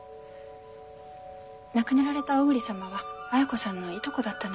亡くなられた小栗様は綾子さんのいとこだったのよ。